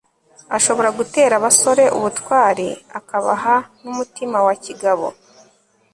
ashobora gutera abasore ubutwari akabaha n'umutima wa kigabo